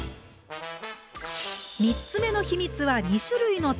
３つ目の秘密は２種類のたまねぎ。